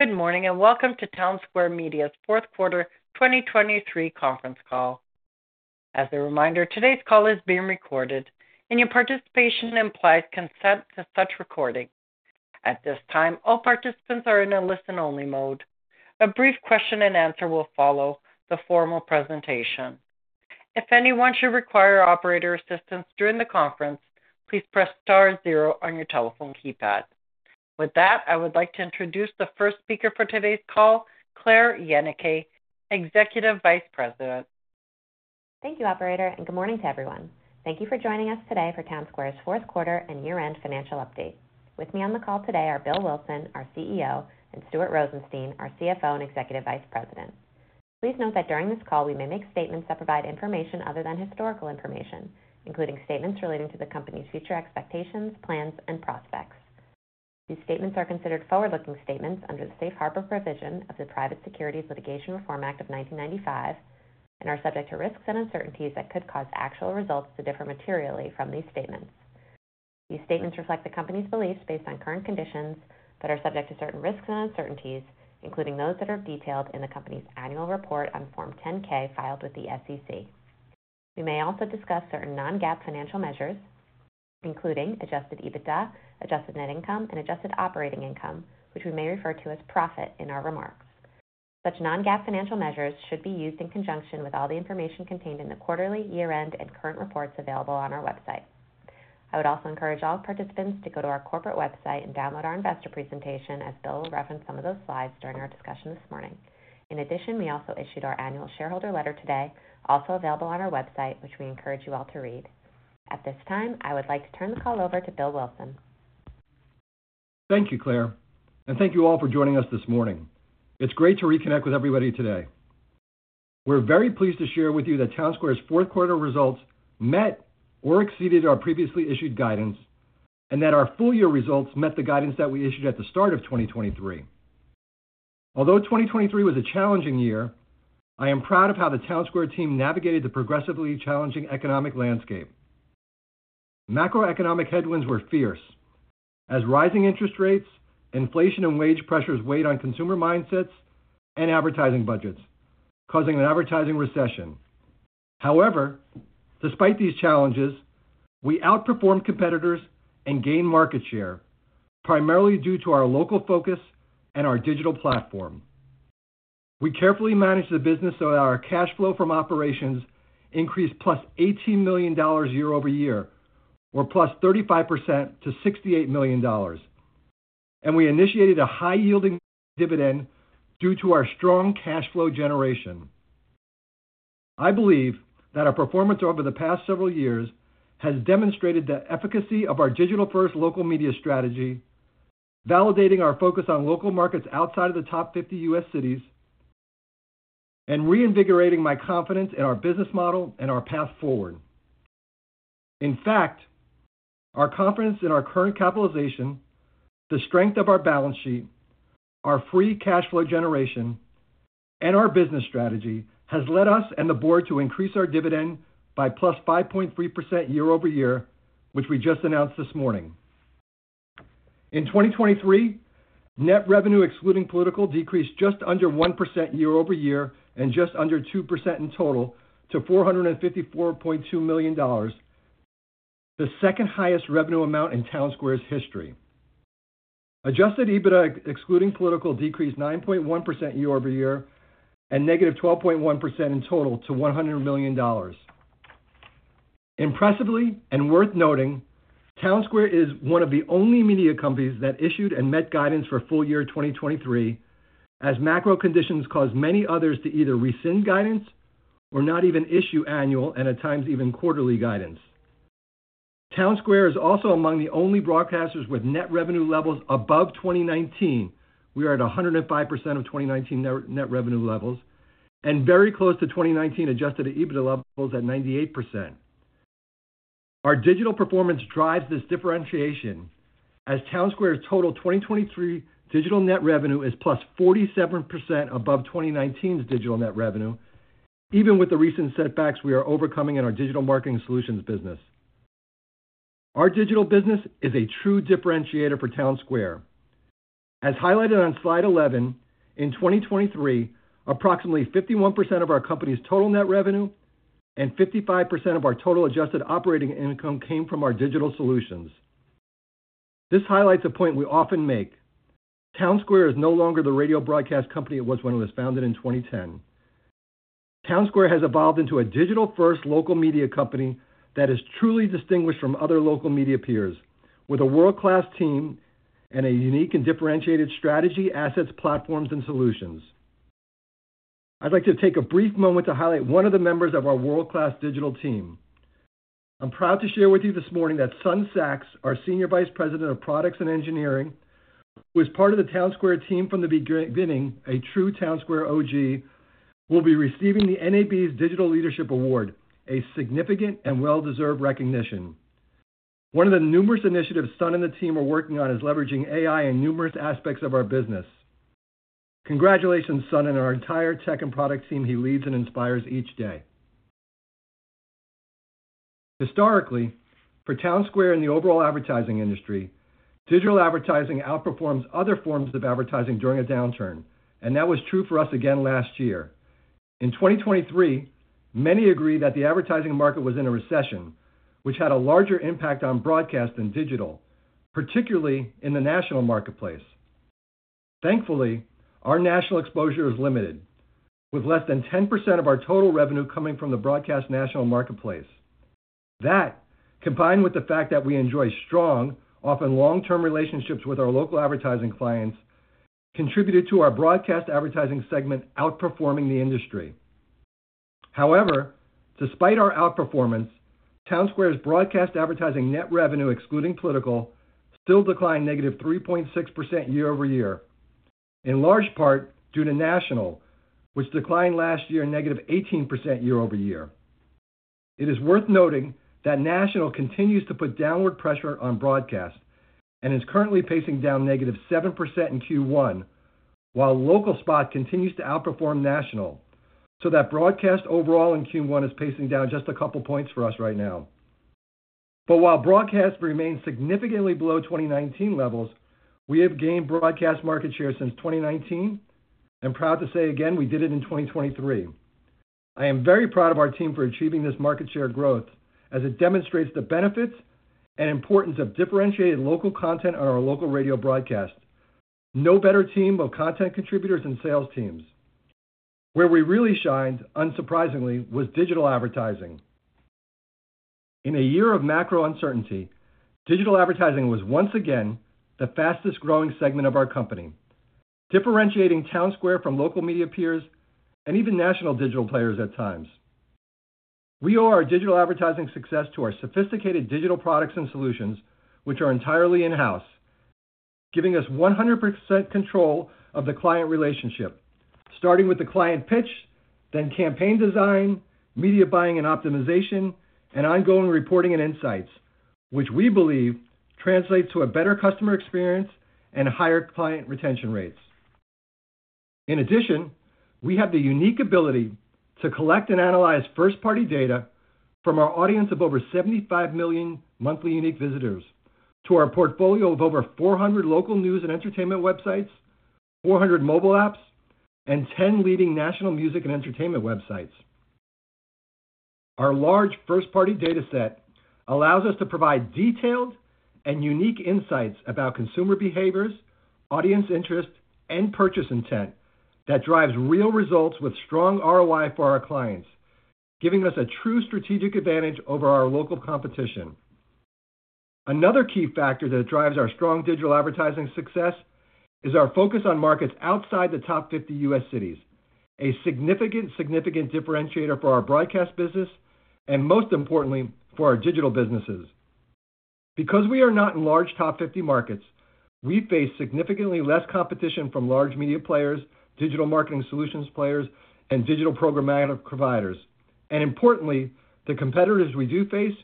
Good morning and welcome to Townsquare Media's fourth quarter 2023 conference call. As a reminder, today's call is being recorded and your participation implies consent to such recording. At this time, all participants are in a listen-only mode. A brief question and answer will follow the formal presentation. If anyone should require operator assistance during the conference, please press star zero on your telephone keypad. With that, I would like to introduce the first speaker for today's call, Claire Yenicay, Executive Vice President. Thank you, Operator, and good morning to everyone. Thank you for joining us today for Townsquare's fourth quarter and year-end financial update. With me on the call today are Bill Wilson, our CEO, and Stuart Rosenstein, our CFO and Executive Vice President. Please note that during this call we may make statements that provide information other than historical information, including statements relating to the company's future expectations, plans, and prospects. These statements are considered forward-looking statements under the Safe Harbor provision of the Private Securities Litigation Reform Act of 1995 and are subject to risks and uncertainties that could cause actual results to differ materially from these statements. These statements reflect the company's beliefs based on current conditions but are subject to certain risks and uncertainties, including those that are detailed in the company's annual report on Form 10-K filed with the SEC. We may also discuss certain non-GAAP financial measures, including adjusted EBITDA, adjusted net income, and adjusted operating income, which we may refer to as profit in our remarks. Such non-GAAP financial measures should be used in conjunction with all the information contained in the quarterly, year-end, and current reports available on our website. I would also encourage all participants to go to our corporate website and download our investor presentation as Bill will reference some of those slides during our discussion this morning. In addition, we also issued our annual shareholder letter today, also available on our website, which we encourage you all to read. At this time, I would like to turn the call over to Bill Wilson. Thank you, Claire, and thank you all for joining us this morning. It's great to reconnect with everybody today. We're very pleased to share with you that Townsquare's fourth quarter results met or exceeded our previously issued guidance, and that our full-year results met the guidance that we issued at the start of 2023. Although 2023 was a challenging year, I am proud of how the Townsquare team navigated the progressively challenging economic landscape. Macroeconomic headwinds were fierce, as rising interest rates, inflation, and wage pressures weighed on consumer mindsets and advertising budgets, causing an advertising recession. However, despite these challenges, we outperformed competitors and gained market share, primarily due to our local focus and our digital platform. We carefully managed the business so that our cash flow from operations increased +$18 million year-over-year, or +35% to $68 million, and we initiated a high-yielding dividend due to our strong cash flow generation. I believe that our performance over the past several years has demonstrated the efficacy of our digital-first local media strategy, validating our focus on local markets outside of the top 50 U.S. cities, and reinvigorating my confidence in our business model and our path forward. In fact, our confidence in our current capitalization, the strength of our balance sheet, our free cash flow generation, and our business strategy has led us and the board to increase our dividend by +5.3% year-over-year, which we just announced this morning. In 2023, net revenue excluding political decreased just under 1% year-over-year and just under 2% in total to $454.2 million, the second highest revenue amount in Townsquare's history. Adjusted EBITDA excluding political decreased 9.1% year-over-year and negative 12.1% in total to $100 million. Impressively and worth noting, Townsquare is one of the only media companies that issued and met guidance for full-year 2023, as macro conditions caused many others to either rescind guidance or not even issue annual and at times even quarterly guidance. Townsquare is also among the only broadcasters with net revenue levels above 2019, we are at 105% of 2019 net revenue levels, and very close to 2019 adjusted EBITDA levels at 98%. Our digital performance drives this differentiation, as Townsquare's total 2023 digital net revenue is +47% above 2019's digital net revenue, even with the recent setbacks we are overcoming in our digital marketing solutions business. Our digital business is a true differentiator for Townsquare. As highlighted on slide 11, in 2023, approximately 51% of our company's total net revenue and 55% of our total adjusted operating income came from our digital solutions. This highlights a point we often make: Townsquare is no longer the radio broadcast company it was when it was founded in 2010. Townsquare has evolved into a digital-first local media company that is truly distinguished from other local media peers, with a world-class team and a unique and differentiated strategy, assets, platforms, and solutions. I'd like to take a brief moment to highlight one of the members of our world-class digital team. I'm proud to share with you this morning that Sun Sachs, our Senior Vice President of Products and Engineering, who is part of the Townsquare team from the beginning, a true Townsquare OG, will be receiving the NAB's Digital Leadership Award, a significant and well-deserved recognition. One of the numerous initiatives Sun and the team are working on is leveraging AI in numerous aspects of our business. Congratulations, Sun, and our entire tech and product team he leads and inspires each day. Historically, for Townsquare and the overall advertising industry, digital advertising outperforms other forms of advertising during a downturn, and that was true for us again last year. In 2023, many agree that the advertising market was in a recession, which had a larger impact on broadcast than digital, particularly in the national marketplace. Thankfully, our national exposure is limited, with less than 10% of our total revenue coming from the broadcast national marketplace. That, combined with the fact that we enjoy strong, often long-term relationships with our local advertising clients, contributed to our broadcast advertising segment outperforming the industry. However, despite our outperformance, Townsquare's broadcast advertising net revenue excluding political still declined -3.6% year-over-year, in large part due to national, which declined last year -18% year-over-year. It is worth noting that national continues to put downward pressure on broadcast and is currently pacing down -7% in Q1, while local spot continues to outperform national, so that broadcast overall in Q1 is pacing down just a couple points for us right now. But while broadcast remains significantly below 2019 levels, we have gained broadcast market share since 2019, and proud to say again we did it in 2023. I am very proud of our team for achieving this market share growth, as it demonstrates the benefits and importance of differentiated local content on our local radio broadcast. No better team of content contributors and sales teams. Where we really shined, unsurprisingly, was digital advertising. In a year of macro uncertainty, digital advertising was once again the fastest-growing segment of our company, differentiating Townsquare from local media peers and even national digital players at times. We owe our digital advertising success to our sophisticated digital products and solutions, which are entirely in-house, giving us 100% control of the client relationship, starting with the client pitch, then campaign design, media buying and optimization, and ongoing reporting and insights, which we believe translates to a better customer experience and higher client retention rates. In addition, we have the unique ability to collect and analyze first-party data from our audience of over 75 million monthly unique visitors to our portfolio of over 400 local news and entertainment websites, 400 mobile apps, and 10 leading national music and entertainment websites. Our large first-party dataset allows us to provide detailed and unique insights about consumer behaviors, audience interest, and purchase intent that drives real results with strong ROI for our clients, giving us a true strategic advantage over our local competition. Another key factor that drives our strong digital advertising success is our focus on markets outside the top 50 U.S. cities, a significant, significant differentiator for our broadcast business and, most importantly, for our digital businesses. Because we are not in large top 50 markets, we face significantly less competition from large media players, digital marketing solutions players, and digital programmatic providers. Importantly, the competitors we do face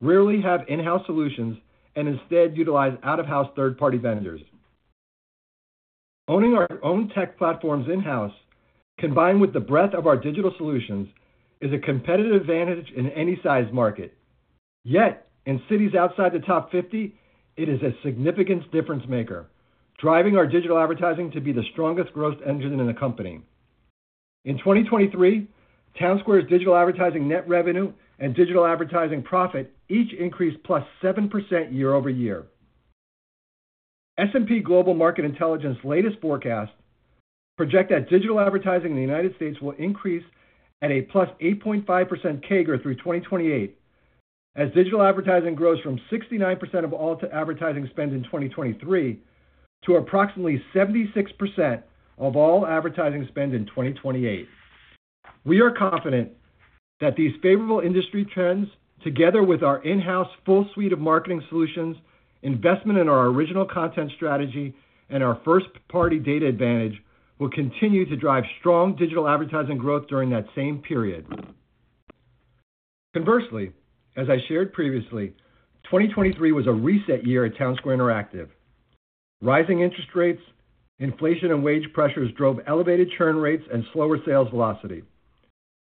rarely have in-house solutions and instead utilize out-of-house third-party vendors. Owning our own tech platforms in-house, combined with the breadth of our digital solutions, is a competitive advantage in any size market. Yet, in cities outside the top 50, it is a significant difference-maker, driving our digital advertising to be the strongest growth engine in the company. In 2023, Townsquare's digital advertising net revenue and digital advertising profit each increased +7% year-over-year. S&P Global Market Intelligence's latest forecasts project that digital advertising in the United States will increase at a +8.5% CAGR through 2028, as digital advertising grows from 69% of all advertising spend in 2023 to approximately 76% of all advertising spend in 2028. We are confident that these favorable industry trends, together with our in-house full suite of marketing solutions, investment in our original content strategy, and our first-party data advantage, will continue to drive strong digital advertising growth during that same period. Conversely, as I shared previously, 2023 was a reset year at Townsquare Interactive. Rising interest rates, inflation, and wage pressures drove elevated churn rates and slower sales velocity.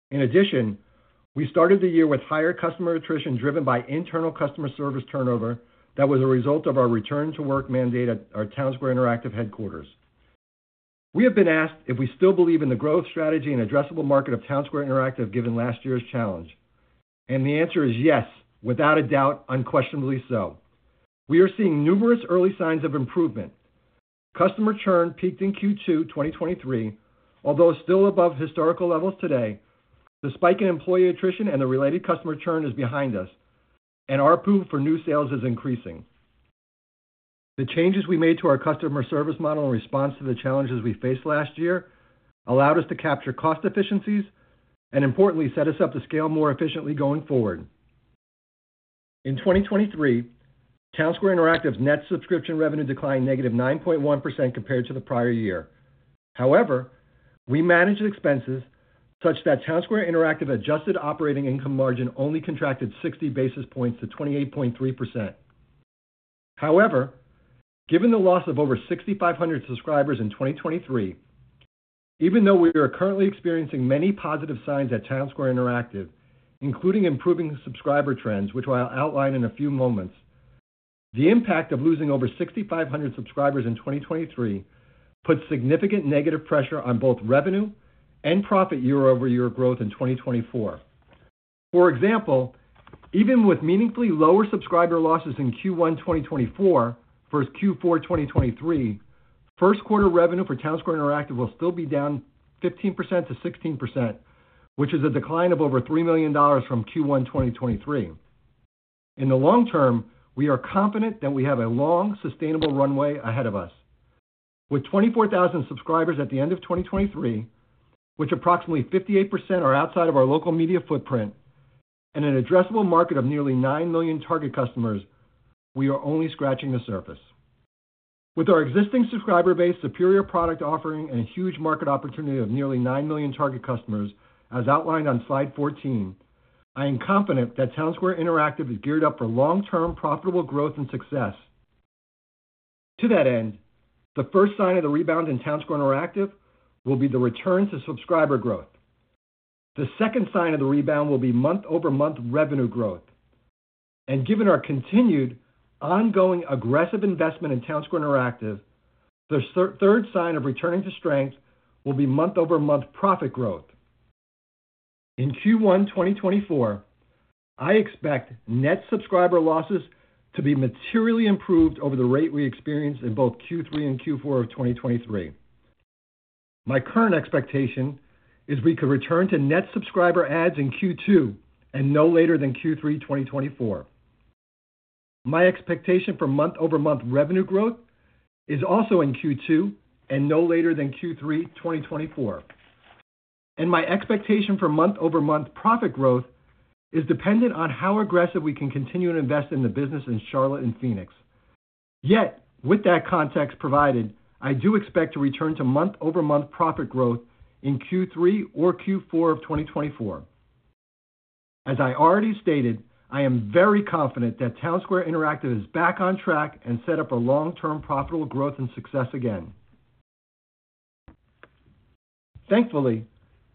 In addition, we started the year with higher customer attrition driven by internal customer service turnover that was a result of our return-to-work mandate at our Townsquare Interactive headquarters. We have been asked if we still believe in the growth strategy and addressable market of Townsquare Interactive given last year's challenge, and the answer is yes, without a doubt, unquestionably so. We are seeing numerous early signs of improvement. Customer churn peaked in Q2 2023, although still above historical levels today. The spike in employee attrition and the related customer churn is behind us, and our pool for new sales is increasing. The changes we made to our customer service model in response to the challenges we faced last year allowed us to capture cost efficiencies and, importantly, set us up to scale more efficiently going forward. In 2023, Townsquare Interactive's net subscription revenue declined -9.1% compared to the prior year. However, we managed expenses such that Townsquare Interactive Adjusted Operating Income margin only contracted 60 basis points to 28.3%. However, given the loss of over 6,500 subscribers in 2023, even though we are currently experiencing many positive signs at Townsquare Interactive, including improving subscriber trends, which I'll outline in a few moments, the impact of losing over 6,500 subscribers in 2023 puts significant negative pressure on both revenue and profit year-over-year growth in 2024. For example, even with meaningfully lower subscriber losses in Q1 2024 versus Q4 2023, first-quarter revenue for Townsquare Interactive will still be down 15%-16%, which is a decline of over $3 million from Q1 2023. In the long term, we are confident that we have a long, sustainable runway ahead of us. With 24,000 subscribers at the end of 2023, which approximately 58% are outside of our local media footprint, and an addressable market of nearly 9 million target customers, we are only scratching the surface. With our existing subscriber base, superior product offering, and a huge market opportunity of nearly 9 million target customers, as outlined on slide 14, I am confident that Townsquare Interactive is geared up for long-term profitable growth and success. To that end, the first sign of the rebound in Townsquare Interactive will be the return to subscriber growth. The second sign of the rebound will be month-over-month revenue growth. Given our continued, ongoing, aggressive investment in Townsquare Interactive, the third sign of returning to strength will be month-over-month profit growth. In Q1 2024, I expect net subscriber losses to be materially improved over the rate we experienced in both Q3 and Q4 of 2023. My current expectation is we could return to net subscriber adds in Q2 and no later than Q3 2024. My expectation for month-over-month revenue growth is also in Q2 and no later than Q3 2024. My expectation for month-over-month profit growth is dependent on how aggressive we can continue to invest in the business in Charlotte and Phoenix. Yet, with that context provided, I do expect to return to month-over-month profit growth in Q3 or Q4 of 2024. As I already stated, I am very confident that Townsquare Interactive is back on track and set up for long-term profitable growth and success again. Thankfully,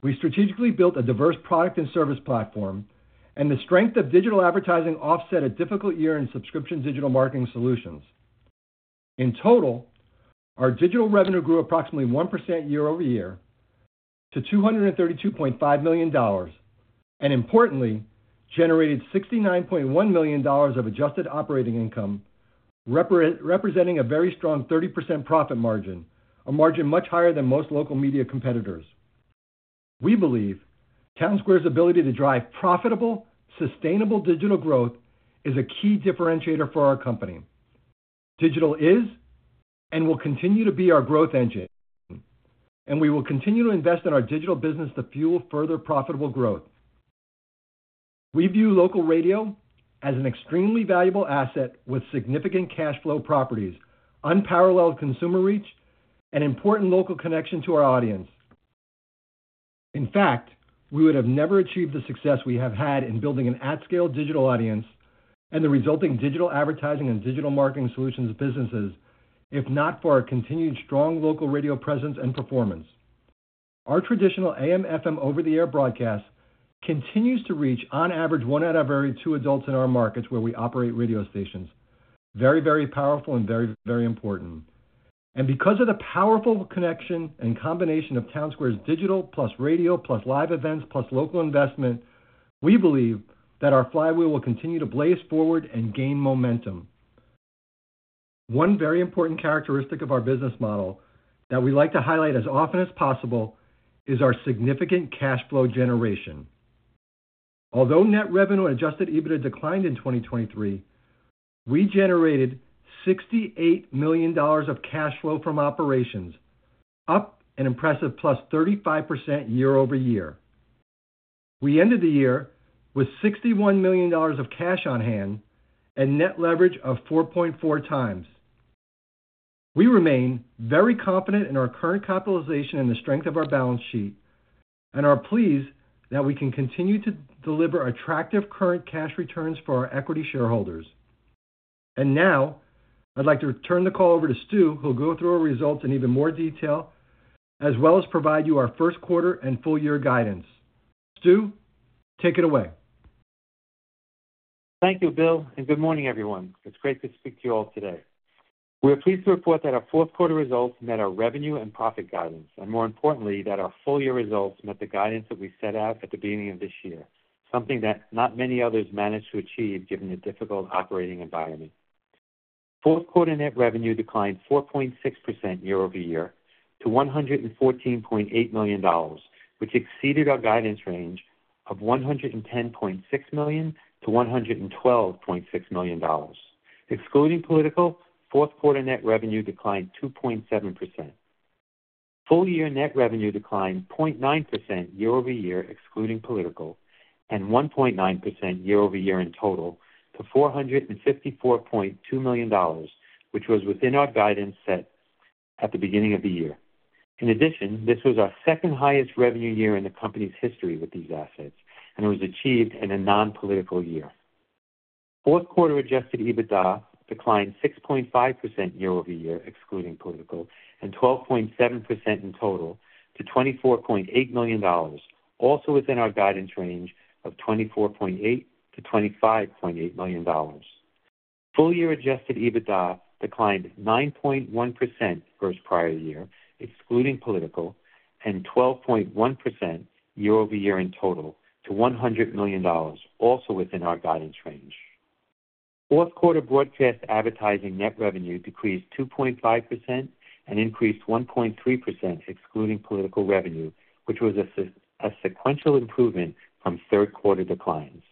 we strategically built a diverse product and service platform, and the strength of digital advertising offset a difficult year in subscription digital marketing solutions. In total, our digital revenue grew approximately 1% year-over-year to $232.5 million and, importantly, generated $69.1 million of adjusted operating income, representing a very strong 30% profit margin, a margin much higher than most local media competitors. We believe Townsquare's ability to drive profitable, sustainable digital growth is a key differentiator for our company. Digital is and will continue to be our growth engine, and we will continue to invest in our digital business to fuel further profitable growth. We view local radio as an extremely valuable asset with significant cash flow properties, unparalleled consumer reach, and important local connection to our audience. In fact, we would have never achieved the success we have had in building an at-scale digital audience and the resulting digital advertising and digital marketing solutions businesses if not for our continued strong local radio presence and performance. Our traditional AM/FM over-the-air broadcast continues to reach, on average, one out of every two adults in our markets where we operate radio stations, very, very powerful and very, very important. Because of the powerful connection and combination of Townsquare's digital plus radio plus live events plus local investment, we believe that our flywheel will continue to blaze forward and gain momentum. One very important characteristic of our business model that we like to highlight as often as possible is our significant cash flow generation. Although net revenue and Adjusted EBITDA declined in 2023, we generated $68 million of cash flow from operations, up an impressive +35% year-over-year. We ended the year with $61 million of cash on hand and net leverage of 4.4x. We remain very confident in our current capitalization and the strength of our balance sheet, and are pleased that we can continue to deliver attractive current cash returns for our equity shareholders. Now, I'd like to turn the call over to Stu, who'll go through our results in even more detail, as well as provide you our first quarter and full year guidance. Stu, take it away. Thank you, Bill, and good morning, everyone. It's great to speak to you all today. We are pleased to report that our fourth quarter results met our revenue and profit guidance, and more importantly, that our full year results met the guidance that we set out at the beginning of this year, something that not many others managed to achieve given the difficult operating environment. Fourth quarter net revenue declined 4.6% year-over-year to $114.8 million, which exceeded our guidance range of $110.6 million-$112.6 million. Excluding political, fourth quarter net revenue declined 2.7%. Full year net revenue declined 0.9% year-over-year excluding political and 1.9% year-over-year in total to $454.2 million, which was within our guidance set at the beginning of the year. In addition, this was our second-highest revenue year in the company's history with these assets, and it was achieved in a non-political year. Fourth quarter Adjusted EBITDA declined 6.5% year-over-year excluding political and 12.7% in total to $24.8 million, also within our guidance range of $24.8 million-$25.8 million. Full year Adjusted EBITDA declined 9.1% versus prior year excluding political and 12.1% year-over-year in total to $100 million, also within our guidance range. Fourth quarter broadcast advertising net revenue decreased 2.5% and increased 1.3% excluding political revenue, which was a sequential improvement from third quarter declines.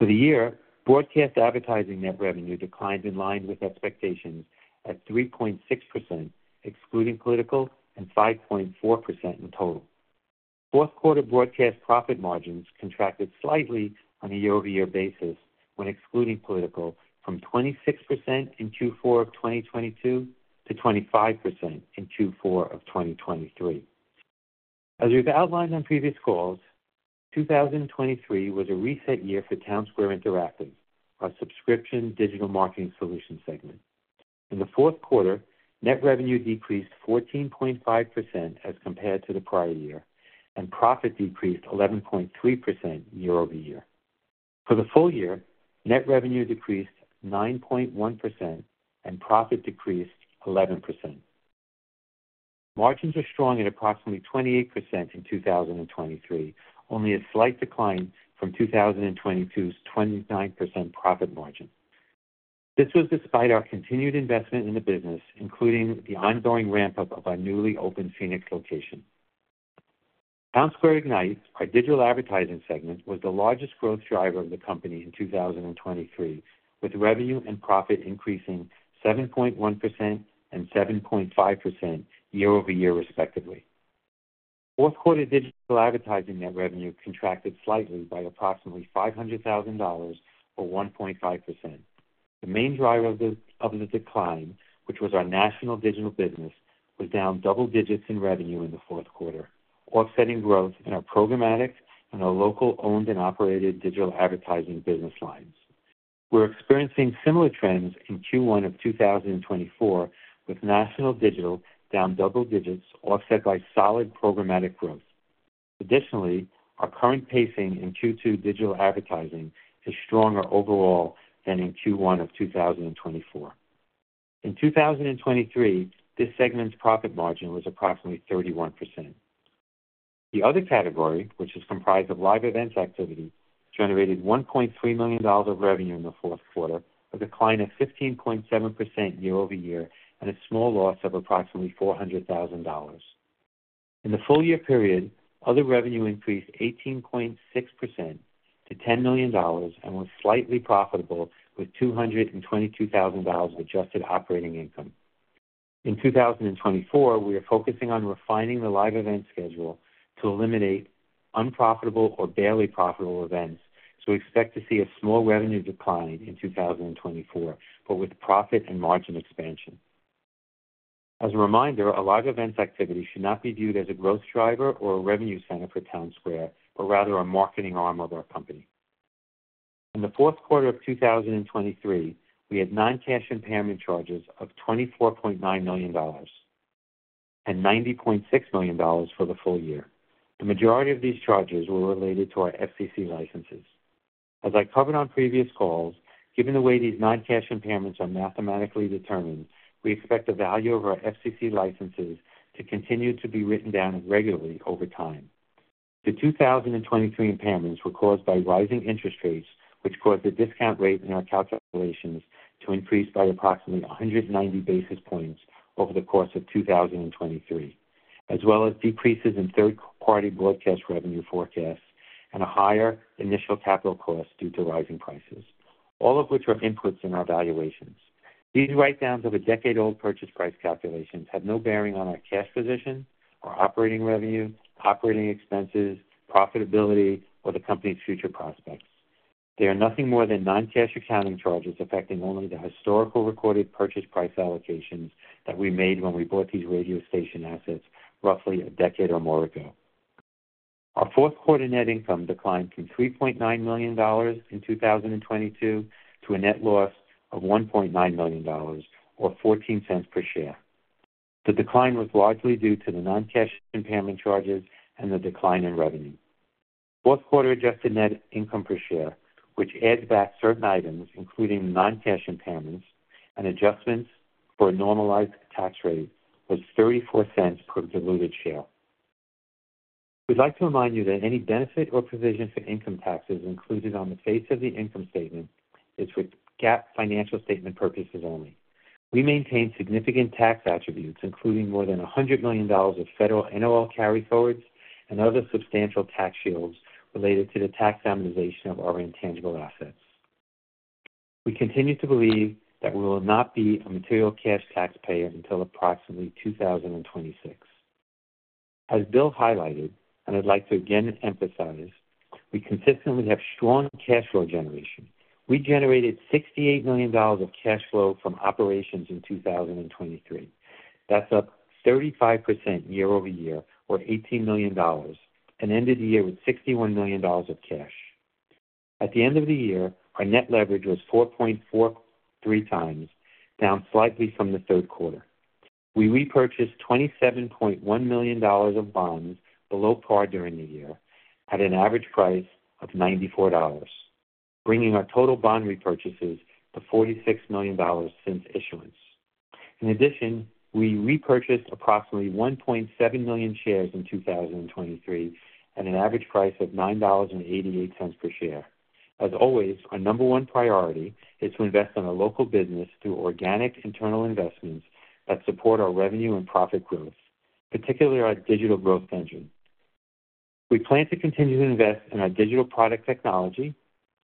For the year, broadcast advertising net revenue declined in line with expectations at 3.6% excluding political and 5.4% in total. Fourth quarter broadcast profit margins contracted slightly on a year-over-year basis when excluding political from 26% in Q4 of 2022 to 25% in Q4 of 2023. As we've outlined on previous calls, 2023 was a reset year for Townsquare Interactive, our subscription digital marketing solutions segment. In the fourth quarter, net revenue decreased 14.5% as compared to the prior year, and profit decreased 11.3% year-over-year. For the full year, net revenue decreased 9.1% and profit decreased 11%. Margins were strong at approximately 28% in 2023, only a slight decline from 2022's 29% profit margin. This was despite our continued investment in the business, including the ongoing ramp-up of our newly opened Phoenix location. Townsquare Ignite, our digital advertising segment, was the largest growth driver of the company in 2023, with revenue and profit increasing 7.1% and 7.5% year-over-year, respectively. Fourth quarter digital advertising net revenue contracted slightly by approximately $500,000 or 1.5%. The main driver of the decline, which was our national digital business, was down double digits in revenue in the fourth quarter, offsetting growth in our programmatic and our local-owned and operated digital advertising business lines. We're experiencing similar trends in Q1 of 2024, with national digital down double digits, offset by solid programmatic growth. Additionally, our current pacing in Q2 digital advertising is stronger overall than in Q1 of 2024. In 2023, this segment's profit margin was approximately 31%. The other category, which is comprised of live events activity, generated $1.3 million of revenue in the fourth quarter, a decline of 15.7% year-over-year, and a small loss of approximately $400,000. In the full year period, other revenue increased 18.6% to $10 million and was slightly profitable, with $222,000 of adjusted operating income. In 2024, we are focusing on refining the live event schedule to eliminate unprofitable or barely profitable events, so we expect to see a small revenue decline in 2024, but with profit and margin expansion. As a reminder, our live events activity should not be viewed as a growth driver or a revenue center for Townsquare, but rather a marketing arm of our company. In the fourth quarter of 2023, we had non-cash impairment charges of $24.9 million and $90.6 million for the full year. The majority of these charges were related to our FCC licenses. As I covered on previous calls, given the way these non-cash impairments are mathematically determined, we expect the value of our FCC licenses to continue to be written down regularly over time. The 2023 impairments were caused by rising interest rates, which caused the discount rate in our calculations to increase by approximately 190 basis points over the course of 2023, as well as decreases in third-party broadcast revenue forecasts and a higher initial capital cost due to rising prices, all of which are inputs in our valuations. These write-downs of a decade-old purchase price calculations have no bearing on our cash position, our operating revenue, operating expenses, profitability, or the company's future prospects. They are nothing more than non-cash accounting charges affecting only the historical recorded purchase price allocations that we made when we bought these radio station assets roughly a decade or more ago. Our fourth quarter net income declined from $3.9 million in 2022 to a net loss of $1.9 million or $0.14 per share. The decline was largely due to the non-cash impairment charges and the decline in revenue. Fourth quarter adjusted net income per share, which adds back certain items, including non-cash impairments and adjustments for a normalized tax rate, was $0.34 per diluted share. We'd like to remind you that any benefit or provision for income taxes included on the face of the income statement is for GAAP financial statement purposes only. We maintain significant tax attributes, including more than $100 million of federal NOL carryforwards and other substantial tax shields related to the tax amortization of our intangible assets. We continue to believe that we will not be a material cash taxpayer until approximately 2026. As Bill highlighted, and I'd like to again emphasize, we consistently have strong cash flow generation. We generated $68 million of cash flow from operations in 2023. That's up 35% year-over-year, or $18 million, and ended the year with $61 million of cash. At the end of the year, our net leverage was 4.43x, down slightly from the third quarter. We repurchased $27.1 million of bonds below par during the year at an average price of $94, bringing our total bond repurchases to $46 million since issuance. In addition, we repurchased approximately 1.7 million shares in 2023 at an average price of $9.88 per share. As always, our number one priority is to invest in our local business through organic internal investments that support our revenue and profit growth, particularly our digital growth engine. We plan to continue to invest in our digital product technology,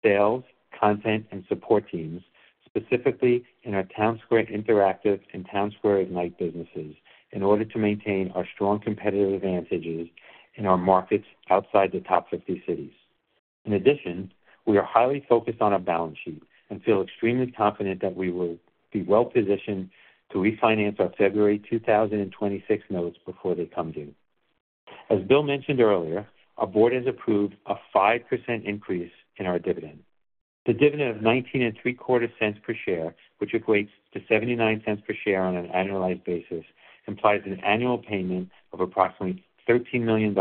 sales, content, and support teams, specifically in our Townsquare Interactive and Townsquare Ignite businesses, in order to maintain our strong competitive advantages in our markets outside the top 50 cities. In addition, we are highly focused on our balance sheet and feel extremely confident that we will be well-positioned to refinance our February 2026 notes before they come due. As Bill mentioned earlier, our board has approved a 5% increase in our dividend. The dividend of $0.1934 per share, which equates to $0.79 per share on an annualized basis, implies an annual payment of approximately $13 million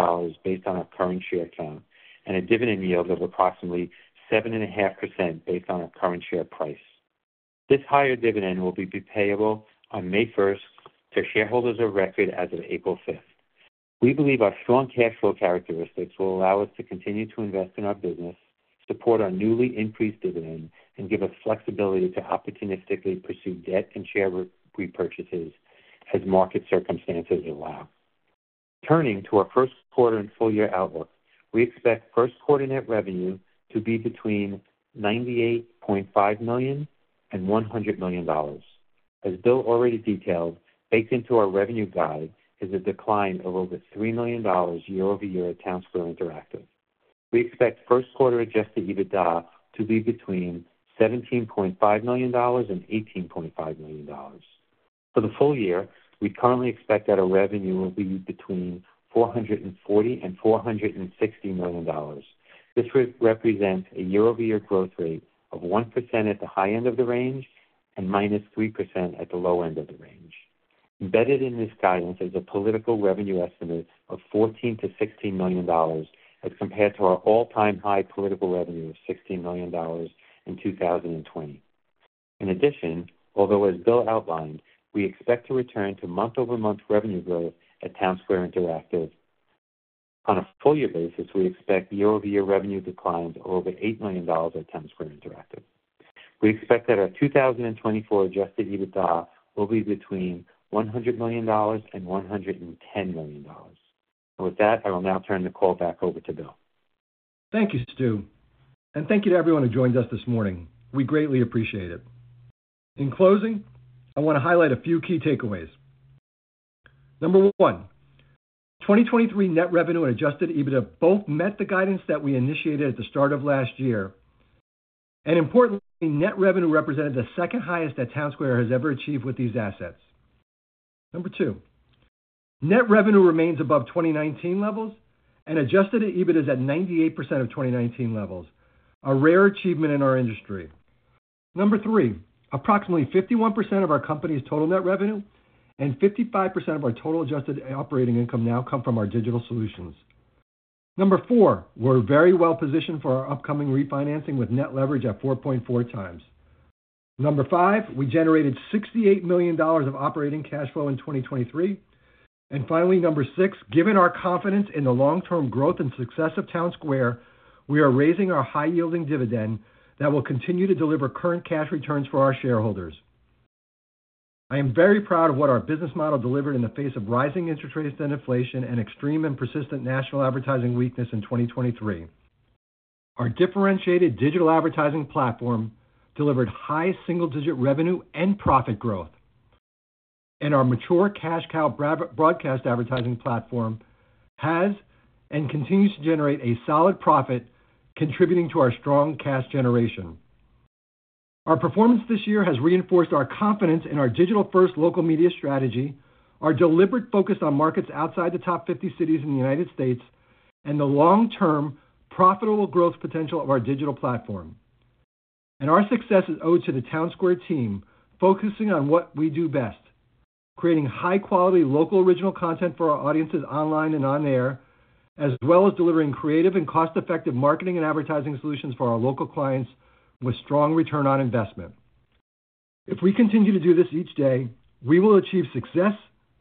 based on our current share count and a dividend yield of approximately 7.5% based on our current share price. This higher dividend will be payable on May 1st to shareholders of record as of April 5th. We believe our strong cash flow characteristics will allow us to continue to invest in our business, support our newly increased dividend, and give us flexibility to opportunistically pursue debt and share repurchases as market circumstances allow. Turning to our first quarter and full year outlook, we expect first quarter net revenue to be between $98.5 million-$100 million. As Bill already detailed, baked into our revenue guide is a decline of over $3 million year-over-year at Townsquare Interactive. We expect first quarter Adjusted EBITDA to be between $17.5 million-$18.5 million. For the full year, we currently expect that our revenue will be between $440 million-$460 million. This represents a year-over-year growth rate of 1% at the high end of the range and -3% at the low end of the range. Embedded in this guidance is a political revenue estimate of $14 million-$16 million as compared to our all-time high political revenue of $16 million in 2020. In addition, although as Bill outlined, we expect to return to month-over-month revenue growth at Townsquare Interactive. On a full year basis, we expect year-over-year revenue declines of over $8 million at Townsquare Interactive. We expect that our 2024 Adjusted EBITDA will be between $100 million and $110 million. With that, I will now turn the call back over to Bill. Thank you, Stu. Thank you to everyone who joined us this morning. We greatly appreciate it. In closing, I want to highlight a few key takeaways. Number one, 2023 net revenue and Adjusted EBITDA both met the guidance that we initiated at the start of last year. And importantly, net revenue represented the second highest that Townsquare has ever achieved with these assets. Number two, net revenue remains above 2019 levels, and Adjusted EBITDA is at 98% of 2019 levels, a rare achievement in our industry. Number three, approximately 51% of our company's total net revenue and 55% of our total Adjusted Operating Income now come from our digital solutions. Number four, we're very well-positioned for our upcoming refinancing with Net Leverage at 4.4x. Number five, we generated $68 million of operating cash flow in 2023. Finally, number six, given our confidence in the long-term growth and success of Townsquare, we are raising our high-yielding dividend that will continue to deliver current cash returns for our shareholders. I am very proud of what our business model delivered in the face of rising interest rates and inflation and extreme and persistent national advertising weakness in 2023. Our differentiated digital advertising platform delivered high single-digit revenue and profit growth. Our mature cash cow broadcast advertising platform has and continues to generate a solid profit, contributing to our strong cash generation. Our performance this year has reinforced our confidence in our digital-first local media strategy, our deliberate focus on markets outside the top 50 cities in the United States, and the long-term profitable growth potential of our digital platform. Our success is owed to the Townsquare team focusing on what we do best: creating high-quality local original content for our audiences online and on-air, as well as delivering creative and cost-effective marketing and advertising solutions for our local clients with strong return on investment. If we continue to do this each day, we will achieve success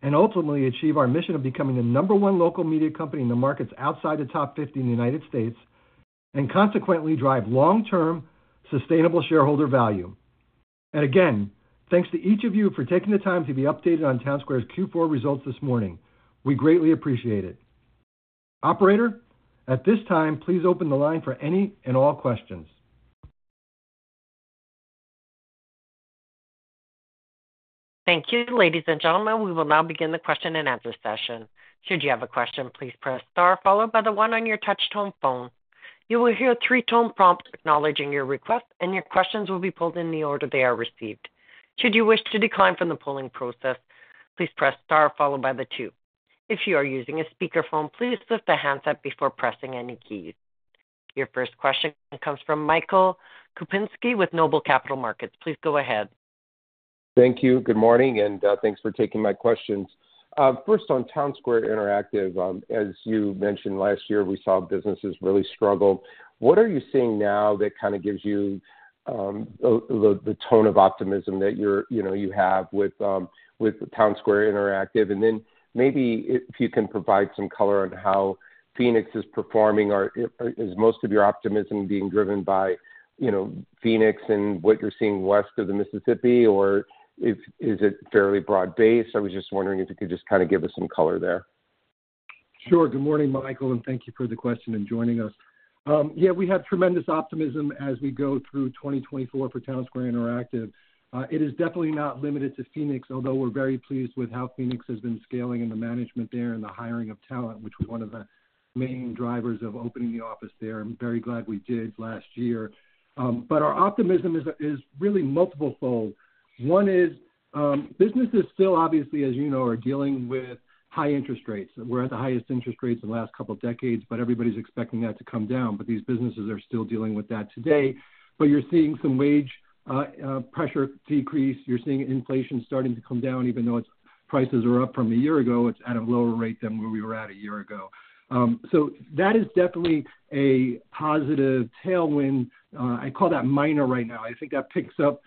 and ultimately achieve our mission of becoming the number one local media company in the markets outside the top 50 in the United States and consequently drive long-term, sustainable shareholder value. And again, thanks to each of you for taking the time to be updated on Townsquare's Q4 results this morning. We greatly appreciate it. Operator, at this time, please open the line for any and all questions. Thank you, ladies and gentlemen. We will now begin the question-and-answer session. Should you have a question, please press star, followed by the one on your touch-tone phone. You will hear a three-tone prompt acknowledging your request, and your questions will be pulled in the order they are received. Should you wish to decline from the polling process, please press star, followed by the two. If you are using a speakerphone, please lift the handset before pressing any keys. Your first question comes from Michael Kupinski with Noble Capital Markets. Please go ahead. Thank you. Good morning, and thanks for taking my questions. First, on Townsquare Interactive, as you mentioned, last year we saw businesses really struggle. What are you seeing now that kind of gives you the tone of optimism that you have with Townsquare Interactive? And then maybe if you can provide some color on how Phoenix is performing, is most of your optimism being driven by Phoenix and what you're seeing west of the Mississippi, or is it fairly broad-based? I was just wondering if you could just kind of give us some color there. Sure. Good morning, Michael, and thank you for the question and joining us. Yeah, we have tremendous optimism as we go through 2024 for Townsquare Interactive. It is definitely not limited to Phoenix, although we're very pleased with how Phoenix has been scaling in the management there and the hiring of talent, which was one of the main drivers of opening the office there. I'm very glad we did last year. But our optimism is really multiple-fold. One is businesses still, obviously, as you know, are dealing with high interest rates. We're at the highest interest rates in the last couple of decades, but everybody's expecting that to come down. But these businesses are still dealing with that today. But you're seeing some wage pressure decrease. You're seeing inflation starting to come down, even though prices are up from a year ago. It's at a lower rate than where we were at a year ago. So that is definitely a positive tailwind. I call that minor right now. I think that picks up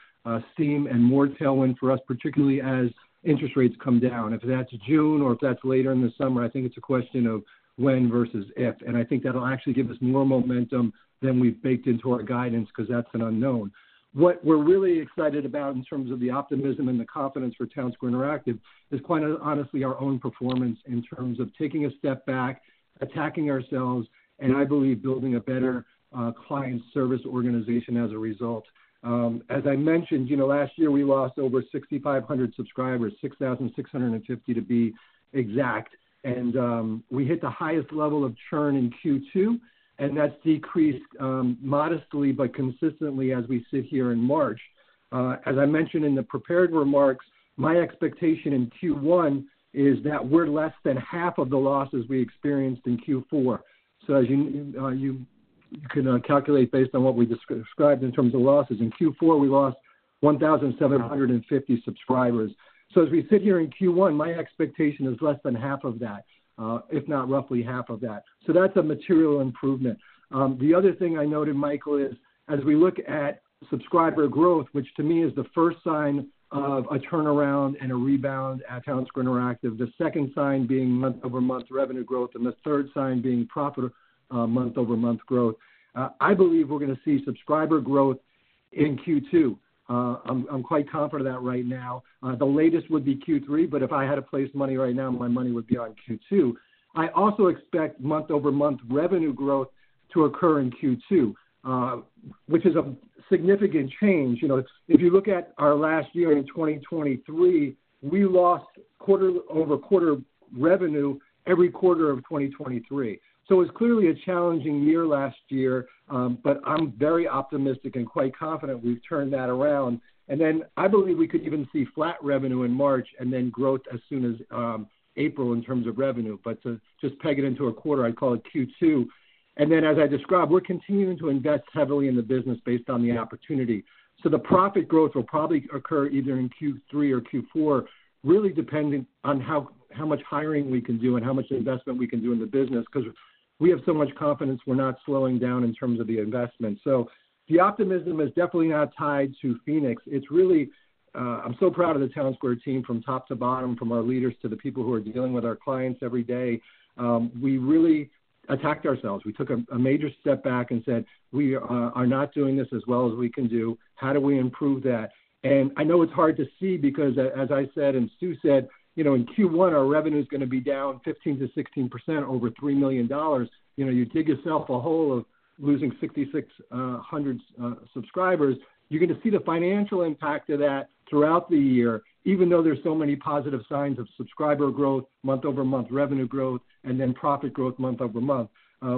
steam and more tailwind for us, particularly as interest rates come down. If that's June or if that's later in the summer, I think it's a question of when versus if. And I think that'll actually give us more momentum than we've baked into our guidance because that's an unknown. What we're really excited about in terms of the optimism and the confidence for Townsquare Interactive is quite honestly our own performance in terms of taking a step back, attacking ourselves, and I believe building a better client service organization as a result. As I mentioned, last year we lost over 6,500 subscribers, 6,650 to be exact. We hit the highest level of churn in Q2, and that's decreased modestly but consistently as we sit here in March. As I mentioned in the prepared remarks, my expectation in Q1 is that we're less than half of the losses we experienced in Q4. As you can calculate based on what we described in terms of losses, in Q4 we lost 1,750 subscribers. As we sit here in Q1, my expectation is less than half of that, if not roughly half of that. That's a material improvement. The other thing I noted, Michael, is as we look at subscriber growth, which to me is the first sign of a turnaround and a rebound at Townsquare Interactive, the second sign being month-over-month revenue growth, and the third sign being profitable month-over-month growth, I believe we're going to see subscriber growth in Q2. I'm quite confident of that right now. The latest would be Q3, but if I had to place money right now, my money would be on Q2. I also expect month-over-month revenue growth to occur in Q2, which is a significant change. If you look at our last year in 2023, we lost quarter-over-quarter revenue every quarter of 2023. So it was clearly a challenging year last year, but I'm very optimistic and quite confident we've turned that around. And then I believe we could even see flat revenue in March and then growth as soon as April in terms of revenue. But to just peg it into a quarter, I'd call it Q2. And then as I described, we're continuing to invest heavily in the business based on the opportunity. So the profit growth will probably occur either in Q3 or Q4, really depending on how much hiring we can do and how much investment we can do in the business because we have so much confidence we're not slowing down in terms of the investment. So the optimism is definitely not tied to Phoenix. I'm so proud of the Townsquare team from top to bottom, from our leaders to the people who are dealing with our clients every day. We really attacked ourselves. We took a major step back and said, "We are not doing this as well as we can do. How do we improve that?" And I know it's hard to see because, as I said and Stu said, in Q1, our revenue is going to be down 15%-16% over $3 million. You dig yourself a hole of losing 6,600 subscribers. You're going to see the financial impact of that throughout the year, even though there's so many positive signs of subscriber growth, month-over-month revenue growth, and then profit growth month-over-month.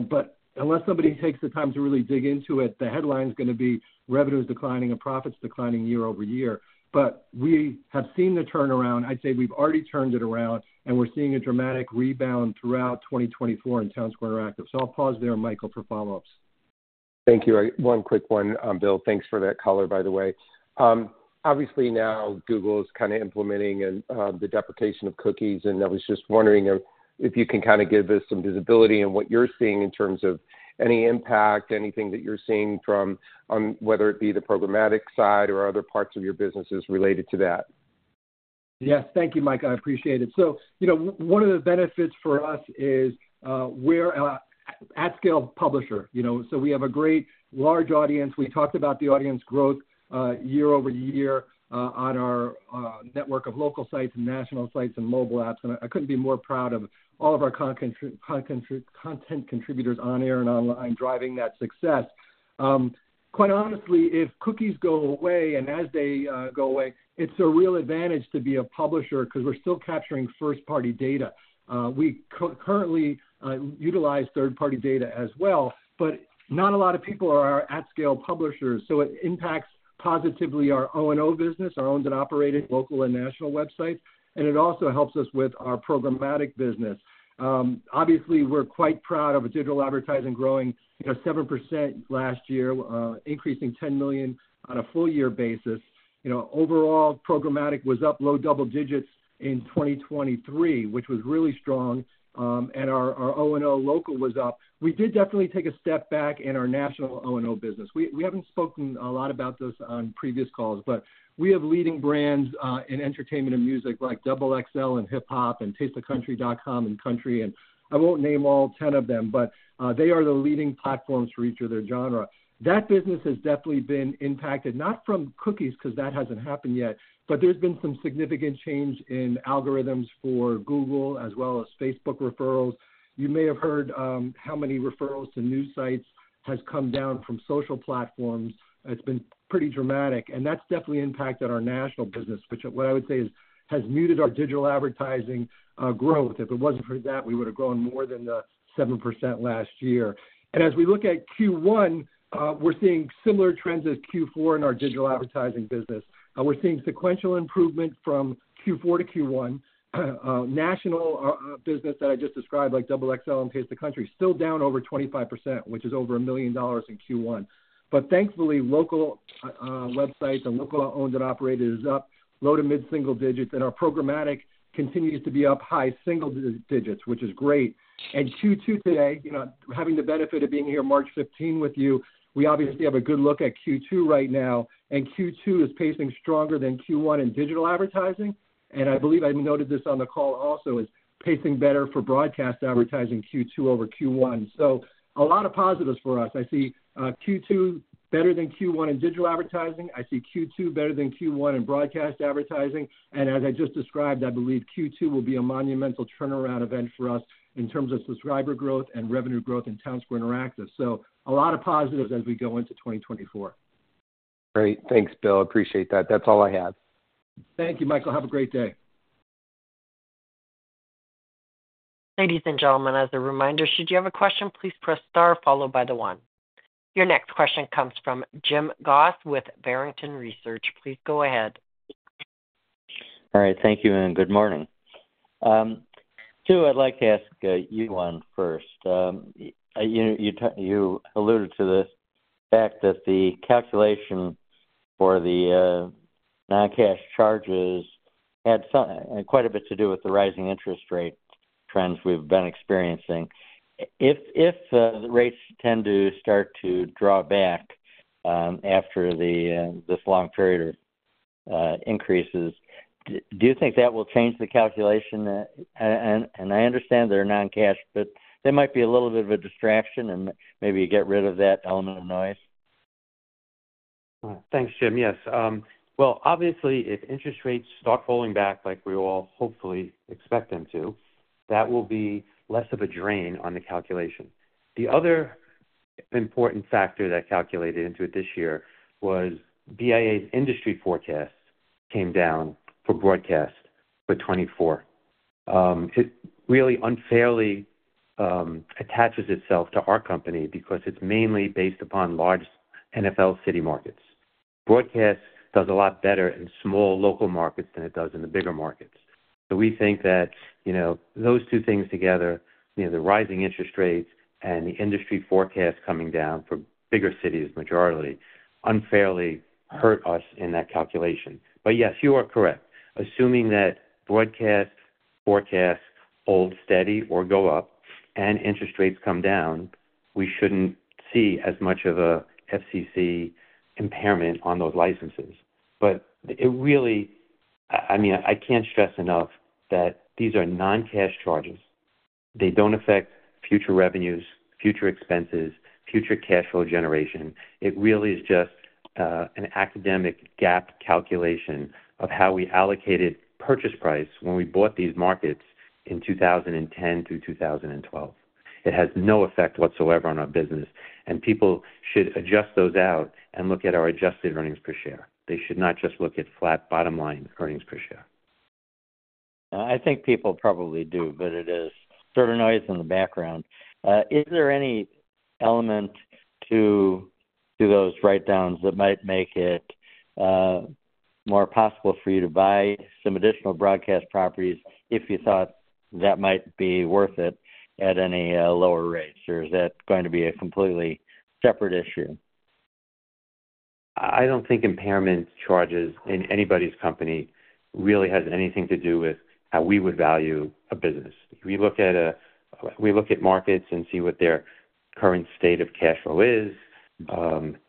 But unless somebody takes the time to really dig into it, the headline is going to be revenue is declining and profits declining year-over-year. But we have seen the turnaround. I'd say we've already turned it around, and we're seeing a dramatic rebound throughout 2024 in Townsquare Interactive. So I'll pause there and Michael for follow-ups. Thank you. One quick one, Bill. Thanks for that color, by the way. Obviously, now Google is kind of implementing the deprecation of cookies, and I was just wondering if you can kind of give us some visibility in what you're seeing in terms of any impact, anything that you're seeing from whether it be the programmatic side or other parts of your businesses related to that. Yes. Thank you, Michael. I appreciate it. So one of the benefits for us is we're an at-scale publisher. So we have a great large audience. We talked about the audience growth year-over-year on our network of local sites and national sites and mobile apps. And I couldn't be more proud of all of our content contributors on air and online driving that success. Quite honestly, if cookies go away and as they go away, it's a real advantage to be a publisher because we're still capturing first-party data. We currently utilize third-party data as well, but not a lot of people are at-scale publishers. So it impacts positively our O&O business, our owned and operated local and national websites. And it also helps us with our programmatic business. Obviously, we're quite proud of a digital advertising growing 7% last year, increasing $10 million on a full-year basis. Overall, programmatic was up low double digits in 2023, which was really strong, and our O&O local was up. We did definitely take a step back in our national O&O business. We haven't spoken a lot about this on previous calls, but we have leading brands in entertainment and music like XXL and hip-hop and Taste of Country.com and Country. And I won't name all 10 of them, but they are the leading platforms for each of their genres. That business has definitely been impacted, not from cookies because that hasn't happened yet, but there's been some significant change in algorithms for Google as well as Facebook referrals. You may have heard how many referrals to news sites have come down from social platforms. It's been pretty dramatic. And that's definitely impacted our national business, which what I would say has muted our digital advertising growth. If it wasn't for that, we would have grown more than the 7% last year. As we look at Q1, we're seeing similar trends as Q4 in our digital advertising business. We're seeing sequential improvement from Q4 to Q1. National business that I just described, like XXL and Taste of Country, still down over 25%, which is over $1 million in Q1. But thankfully, local websites and local owned and operated is up low- to mid-single digits, and our programmatic continues to be up high single digits, which is great. Q2 today, having the benefit of being here March 15 with you, we obviously have a good look at Q2 right now. Q2 is pacing stronger than Q1 in digital advertising. I believe I noted this on the call also is pacing better for broadcast advertising Q2 over Q1. A lot of positives for us. I see Q2 better than Q1 in digital advertising. I see Q2 better than Q1 in broadcast advertising. As I just described, I believe Q2 will be a monumental turnaround event for us in terms of subscriber growth and revenue growth in Townsquare Interactive. A lot of positives as we go into 2024. Great. Thanks, Bill. Appreciate that. That's all I have. Thank you, Michael. Have a great day. Ladies and gentlemen, as a reminder, should you have a question, please press star, followed by the one. Your next question comes from Jim Goss with Barrington Research. Please go ahead. All right. Thank you and good morning. Stu, I'd like to ask you one first. You alluded to the fact that the calculation for the non-cash charges had quite a bit to do with the rising interest rate trends we've been experiencing. If the rates tend to start to draw back after this long period of increases, do you think that will change the calculation? And I understand they're non-cash, but there might be a little bit of a distraction and maybe you get rid of that element of noise. Thanks, Jim. Yes. Well, obviously, if interest rates start falling back like we all hopefully expect them to, that will be less of a drain on the calculation. The other important factor that calculated into it this year was BIA's industry forecast came down for broadcast for 2024. It really unfairly attaches itself to our company because it's mainly based upon large NFL city markets. Broadcast does a lot better in small local markets than it does in the bigger markets. So we think that those two things together, the rising interest rates and the industry forecast coming down for bigger cities majority, unfairly hurt us in that calculation. But yes, you are correct. Assuming that broadcast forecasts hold steady or go up and interest rates come down, we shouldn't see as much of an FCC impairment on those licenses. I mean, I can't stress enough that these are non-cash charges. They don't affect future revenues, future expenses, future cash flow generation. It really is just an academic gap calculation of how we allocated purchase price when we bought these markets in 2010 through 2012. It has no effect whatsoever on our business. People should adjust those out and look at our adjusted earnings per share. They should not just look at flat bottom-line earnings per share. I think people probably do, but it is sort of noise in the background. Is there any element to those write-downs that might make it more possible for you to buy some additional broadcast properties if you thought that might be worth it at any lower rates, or is that going to be a completely separate issue? I don't think impairment charges in anybody's company really has anything to do with how we would value a business. We look at markets and see what their current state of cash flow is,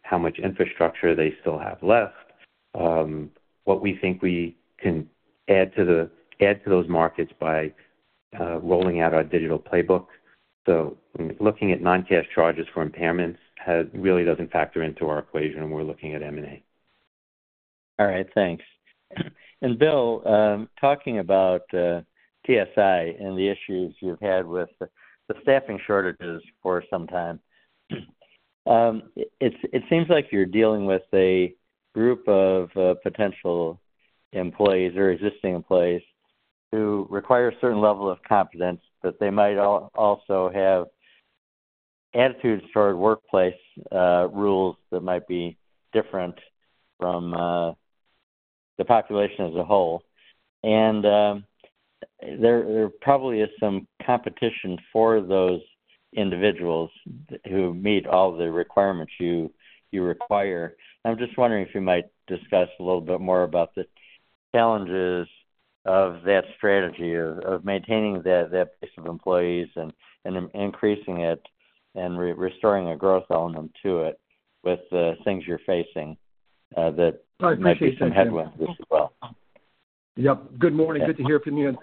how much infrastructure they still have left, what we think we can add to those markets by rolling out our digital playbook. So looking at non-cash charges for impairments really doesn't factor into our equation, and we're looking at M&A. All right. Thanks. And Bill, talking about TSI and the issues you've had with the staffing shortages for some time, it seems like you're dealing with a group of potential employees or existing employees who require a certain level of competence, but they might also have attitudes toward workplace rules that might be different from the population as a whole. And there probably is some competition for those individuals who meet all the requirements you require. I'm just wondering if you might discuss a little bit more about the challenges of that strategy of maintaining that base of employees and increasing it and restoring a growth element to it with the things you're facing that might be some headwinds as well. Yep. Good morning. Good to hear from you.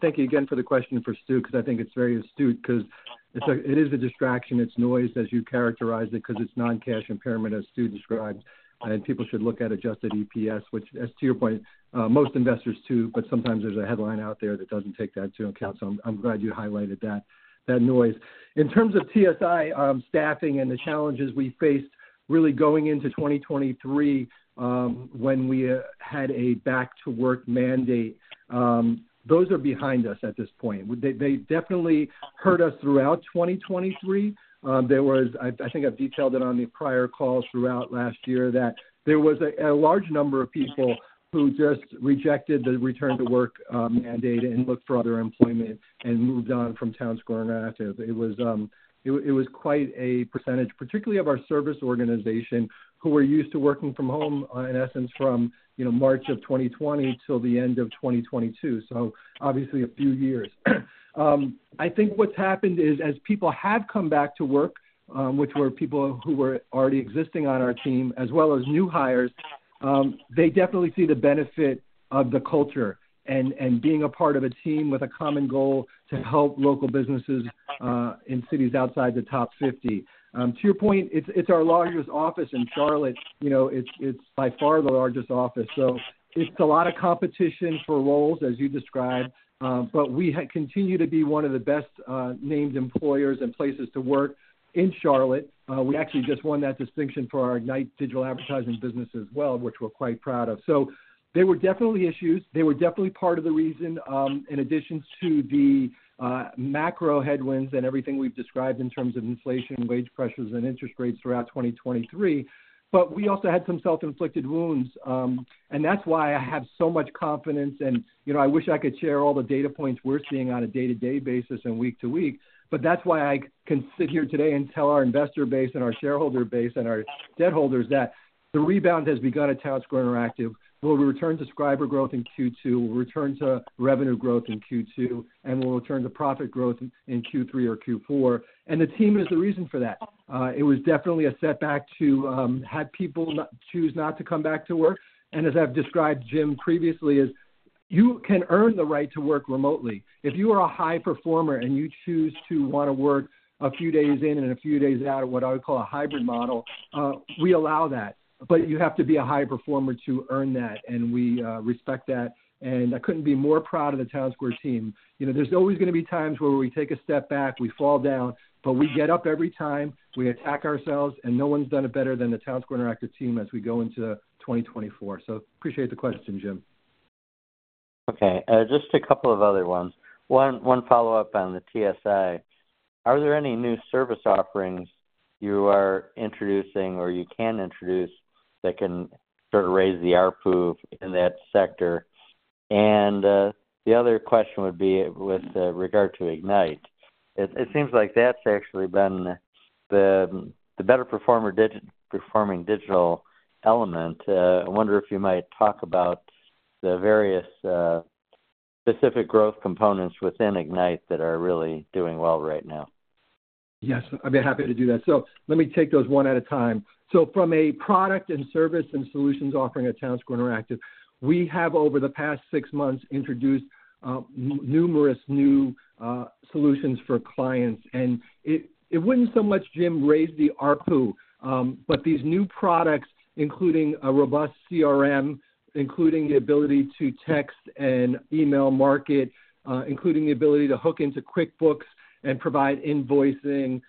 Thank you again for the question for Stu because I think it's very astute because it is a distraction. It's noise, as you characterized it, because it's non-cash impairment, as Stu described. People should look at adjusted EPS, which, as to your point, most investors do, but sometimes there's a headline out there that doesn't take that into account. So I'm glad you highlighted that noise. In terms of TSI staffing and the challenges we faced really going into 2023 when we had a back-to-work mandate, those are behind us at this point. They definitely hurt us throughout 2023. I think I've detailed it on the prior calls throughout last year that there was a large number of people who just rejected the return-to-work mandate and looked for other employment and moved on from Townsquare Interactive. It was quite a percentage, particularly of our service organization, who were used to working from home, in essence, from March of 2020 till the end of 2022. So obviously, a few years. I think what's happened is as people have come back to work, which were people who were already existing on our team, as well as new hires, they definitely see the benefit of the culture and being a part of a team with a common goal to help local businesses in cities outside the top 50. To your point, it's our largest office in Charlotte. It's by far the largest office. So it's a lot of competition for roles, as you described. But we continue to be one of the best-named employers and places to work in Charlotte. We actually just won that distinction for our Ignite digital advertising business as well, which we're quite proud of. So there were definitely issues. They were definitely part of the reason, in addition to the macro headwinds and everything we've described in terms of inflation, wage pressures, and interest rates throughout 2023. But we also had some self-inflicted wounds. And that's why I have so much confidence. And I wish I could share all the data points we're seeing on a day-to-day basis and week to week. But that's why I sit here today and tell our investor base and our shareholder base and our debt holders that the rebound has begun at Townsquare Interactive. We'll return to subscriber growth in Q2. We'll return to revenue growth in Q2. And we'll return to profit growth in Q3 or Q4. And the team is the reason for that. It was definitely a setback to have people choose not to come back to work. As I've described, Jim, previously, is you can earn the right to work remotely. If you are a high performer and you choose to want to work a few days in and a few days out of what I would call a hybrid model, we allow that. You have to be a high performer to earn that. We respect that. I couldn't be more proud of the Townsquare team. There's always going to be times where we take a step back. We fall down. We get up every time. We attack ourselves. No one's done it better than the Townsquare Interactive team as we go into 2024. Appreciate the question, Jim. Okay. Just a couple of other ones. One follow-up on the TSI. Are there any new service offerings you are introducing or you can introduce that can sort of raise the RPOV in that sector? And the other question would be with regard to Ignite. It seems like that's actually been the better-performing digital element. I wonder if you might talk about the various specific growth components within Ignite that are really doing well right now. Yes. I'd be happy to do that. So let me take those one at a time. So from a product and service and solutions offering at Townsquare Interactive, we have, over the past six months, introduced numerous new solutions for clients. And it wouldn't so much, Jim, raise the RPOV, but these new products, including a robust CRM, including the ability to text and email marketing, including the ability to hook into QuickBooks and provide invoicing,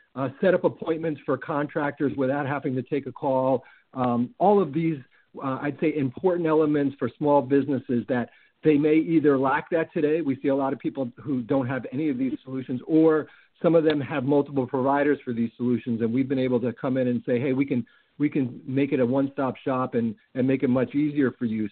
set up appointments for contractors without having to take a call, all of these, I'd say, important elements for small businesses that they may either lack that today—we see a lot of people who don't have any of these solutions—or some of them have multiple providers for these solutions. We've been able to come in and say, "Hey, we can make it a one-stop shop and make it much easier for you."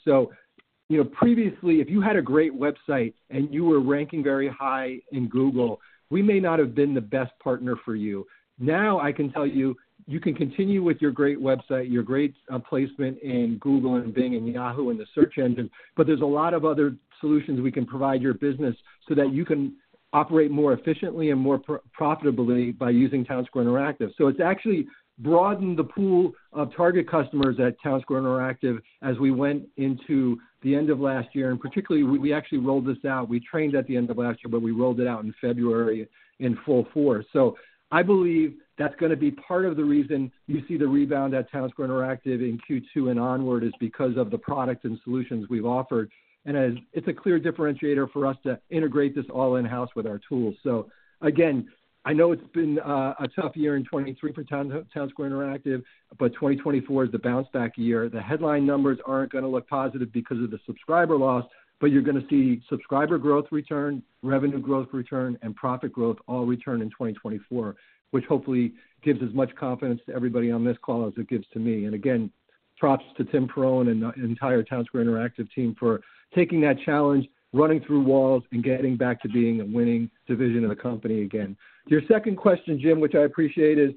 Previously, if you had a great website and you were ranking very high in Google, we may not have been the best partner for you. Now, I can tell you, you can continue with your great website, your great placement in Google and Bing and Yahoo and the search engines. There's a lot of other solutions we can provide your business so that you can operate more efficiently and more profitably by using Townsquare Interactive. It's actually broadened the pool of target customers at Townsquare Interactive as we went into the end of last year. Particularly, we actually rolled this out. We trained at the end of last year, but we rolled it out in February in full force. So I believe that's going to be part of the reason you see the rebound at Townsquare Interactive in Q2 and onward is because of the product and solutions we've offered. And it's a clear differentiator for us to integrate this all in-house with our tools. So again, I know it's been a tough year in 2023 for Townsquare Interactive, but 2024 is the bounce-back year. The headline numbers aren't going to look positive because of the subscriber loss, but you're going to see subscriber growth return, revenue growth return, and profit growth all return in 2024, which hopefully gives as much confidence to everybody on this call as it gives to me. And again, props to Tim Pirrone and the entire Townsquare Interactive team for taking that challenge, running through walls, and getting back to being a winning division of the company again. Your second question, Jim, which I appreciate, is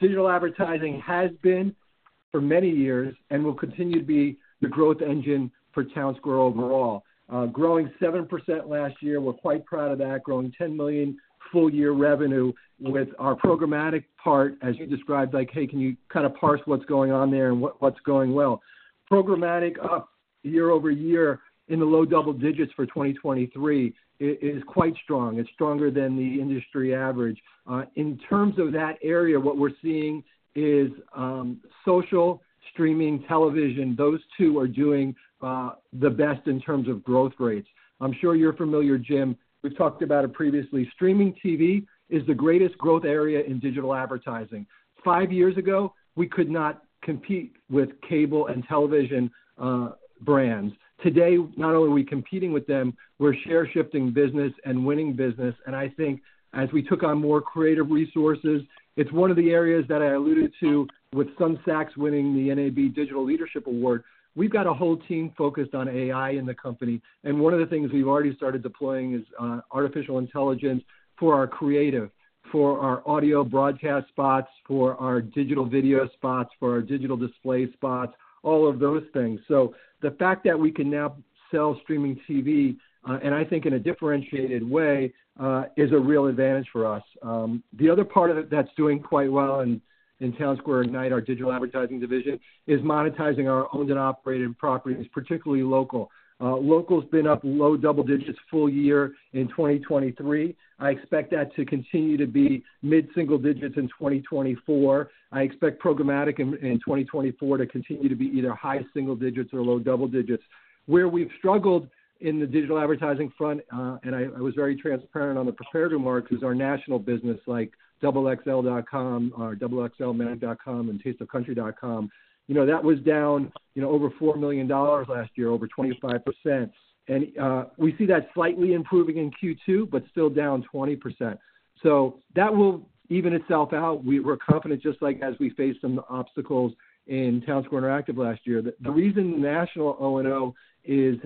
digital advertising has been for many years and will continue to be the growth engine for Townsquare overall. Growing 7% last year. We're quite proud of that. Growing $10 million full-year revenue with our programmatic part, as you described, like, "Hey, can you kind of parse what's going on there and what's going well?" Programmatic up year over year in the low double digits for 2023 is quite strong. It's stronger than the industry average. In terms of that area, what we're seeing is social, streaming, television. Those two are doing the best in terms of growth rates. I'm sure you're familiar, Jim. We've talked about it previously. Streaming TV is the greatest growth area in digital advertising. 5 years ago, we could not compete with cable and television brands. Today, not only are we competing with them, we're share-shifting business and winning business. And I think as we took on more creative resources, it's one of the areas that I alluded to with Sun Sachs winning the NAB Digital Leadership Award, we've got a whole team focused on AI in the company. And one of the things we've already started deploying is artificial intelligence for our creative, for our audio broadcast spots, for our digital video spots, for our digital display spots, all of those things. So the fact that we can now sell streaming TV, and I think in a differentiated way, is a real advantage for us. The other part of it that's doing quite well in Townsquare Ignite, our digital advertising division, is monetizing our owned and operated properties, particularly local. Local's been up low double digits full year in 2023. I expect that to continue to be mid-single digits in 2024. I expect programmatic in 2024 to continue to be either high single digits or low double digits. Where we've struggled in the digital advertising front, and I was very transparent on the preparatory remarks, is our national business like XXL.com, XXLMag.com, and tasteofcountry.com. That was down over $4 million last year, over 25%. And we see that slightly improving in Q2 but still down 20%. So that will even itself out. We're confident, just like as we faced some obstacles in Townsquare Interactive last year. The reason the national O&O is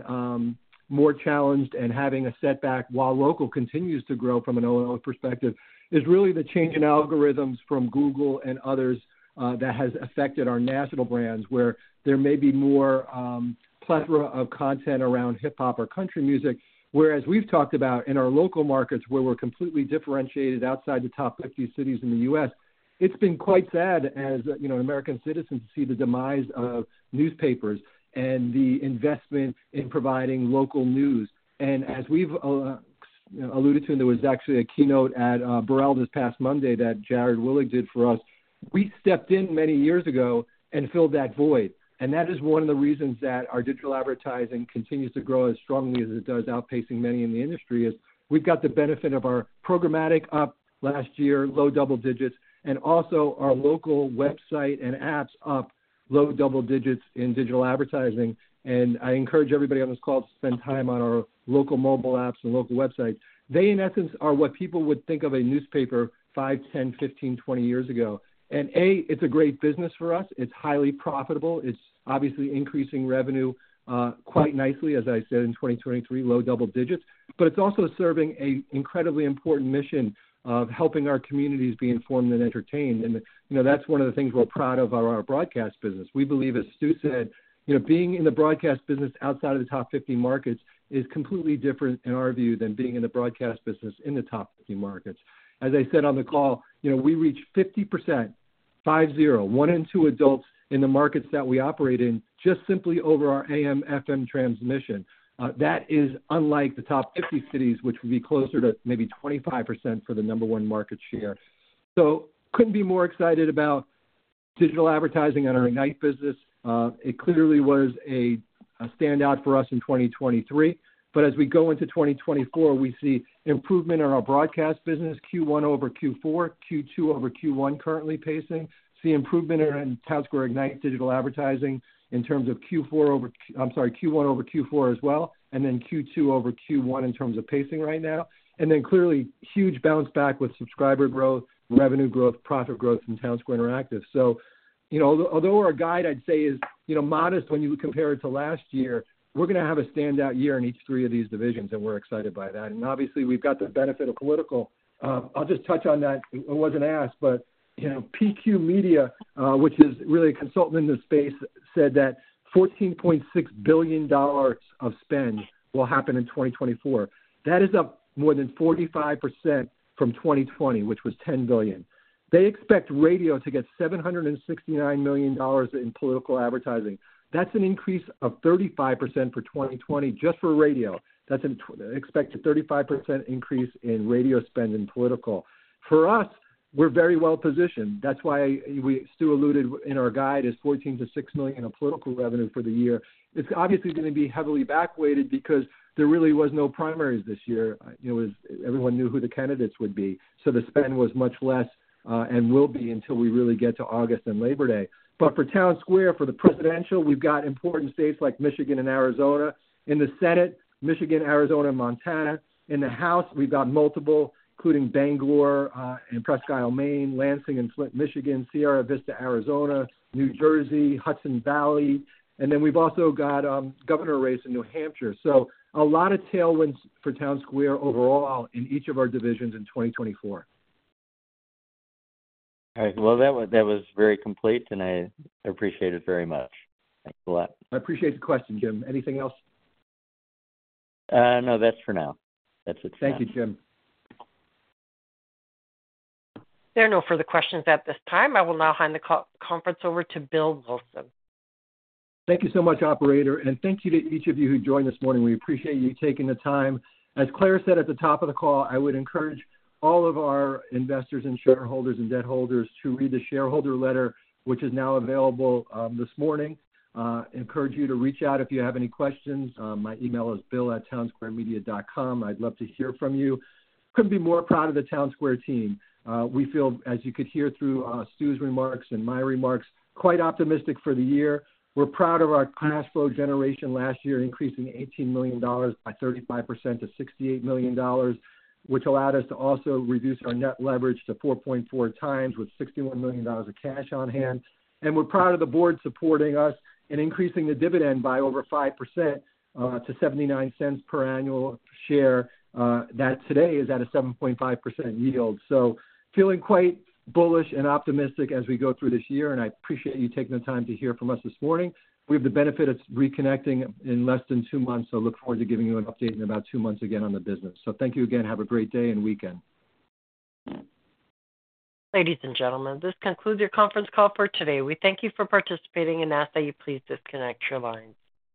more challenged and having a setback while local continues to grow from an O&O perspective is really the change in algorithms from Google and others that has affected our national brands, where there may be more plethora of content around hip-hop or country music. Whereas we've talked about in our local markets, where we're completely differentiated outside the top 50 cities in the U.S., it's been quite sad as an American citizen to see the demise of newspapers and the investment in providing local news. And as we've alluded to, and there was actually a keynote at Borrell this past Monday that Jared Willig did for us, we stepped in many years ago and filled that void. And that is one of the reasons that our digital advertising continues to grow as strongly as it does, outpacing many in the industry, is we've got the benefit of our programmatic up last year, low double digits, and also our local website and apps up, low double digits in digital advertising. And I encourage everybody on this call to spend time on our local mobile apps and local websites. They, in essence, are what people would think of a newspaper 5, 10, 15, 20 years ago. A, it's a great business for us. It's highly profitable. It's obviously increasing revenue quite nicely, as I said, in 2023, low double digits. But it's also serving an incredibly important mission of helping our communities be informed and entertained. And that's one of the things we're proud of about our broadcast business. We believe, as Stu said, being in the broadcast business outside of the top 50 markets is completely different, in our view, than being in the broadcast business in the top 50 markets. As I said on the call, we reach 50%, 50, 1 in 2 adults in the markets that we operate in just simply over our AM/FM transmission. That is unlike the top 50 cities, which would be closer to maybe 25% for the number one market share. So couldn't be more excited about digital advertising on our Ignite business. It clearly was a standout for us in 2023. But as we go into 2024, we see improvement in our broadcast business, Q1 over Q4, Q2 over Q1 currently pacing. See improvement in Townsquare Ignite digital advertising in terms of Q1 over I'm sorry, Q1 over Q4 as well, and then Q2 over Q1 in terms of pacing right now. And then clearly, huge bounce-back with subscriber growth, revenue growth, profit growth in Townsquare Interactive. So although our guide, I'd say, is modest when you compare it to last year, we're going to have a standout year in each three of these divisions. And we're excited by that. And obviously, we've got the benefit of political. I'll just touch on that. It wasn't asked. But PQ Media, which is really a consultant in the space, said that $14.6 billion of spend will happen in 2024. That is up more than 45% from 2020, which was $10 billion. They expect radio to get $769 million in political advertising. That's an increase of 35% for 2020 just for radio. That's an expected 35% increase in radio spend and political. For us, we're very well positioned. That's why Stu alluded in our guide is $14 million-$16 million of political revenue for the year. It's obviously going to be heavily backweighted because there really was no primaries this year. Everyone knew who the candidates would be. So the spend was much less and will be until we really get to August and Labor Day. But for Townsquare, for the presidential, we've got important states like Michigan and Arizona. In the Senate, Michigan, Arizona, and Montana. In the House, we've got multiple, including Bangor and Presque Isle, Maine, Lansing and Flint, Michigan, Sierra Vista, Arizona, New Jersey, Hudson Valley. And then we've also got governor race in New Hampshire. So a lot of tailwinds for Townsquare overall in each of our divisions in 2024. Okay. Well, that was very complete. I appreciate it very much. Thanks a lot. I appreciate the question, Jim. Anything else? No, that's for now. That's it for now. Thank you, Jim. There are no further questions at this time. I will now hand the conference over to Bill Wilson. Thank you so much, operator. Thank you to each of you who joined this morning. We appreciate you taking the time. As Claire said at the top of the call, I would encourage all of our investors and shareholders and debt holders to read the shareholder letter, which is now available this morning. Encourage you to reach out if you have any questions. My email is bill@townsquaremedia.com. I'd love to hear from you. Couldn't be more proud of the Townsquare team. We feel, as you could hear through Stu's remarks and my remarks, quite optimistic for the year. We're proud of our cash flow generation last year, increasing $18 million by 35% to $68 million, which allowed us to also reduce our net leverage to 4.4x with $61 million of cash on hand. We're proud of the board supporting us and increasing the dividend by over 5% to $0.79 per annual share. That today is at a 7.5% yield. Feeling quite bullish and optimistic as we go through this year. I appreciate you taking the time to hear from us this morning. We have the benefit of reconnecting in less than two months. Look forward to giving you an update in about two months again on the business. Thank you again. Have a great day and weekend. Ladies and gentlemen, this concludes your conference call for today. We thank you for participating. We ask that you please disconnect your lines.